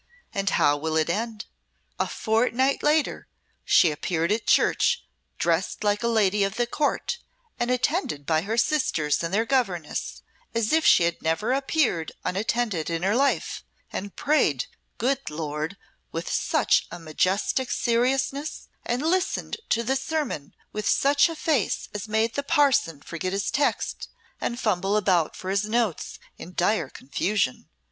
"And how will it end? A fortnight later she appeared at church dressed like a lady of the Court, and attended by her sisters and their governess, as if she had never appeared unattended in her life, and prayed, good Lord, with such a majestic seriousness, and listened to the sermon with such a face as made the parson forget his text and fumble about for his notes in dire confusion.